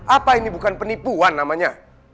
apa ini bukan penipuan namanya